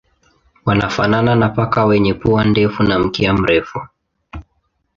Wanafanana na paka wenye pua ndefu na mkia mrefu.